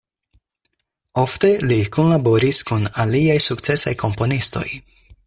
Ofte li kunlaboris kun aliaj sukcesaj komponistoj.